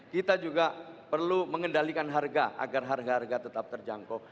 kita juga perlu mengendalikan harga agar harga harga tetap terjangkau